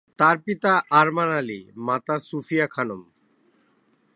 তার পিতা আরমান আলী, মাতা সুফিয়া খানম।